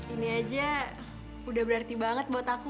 ini aja udah berarti banget buat aku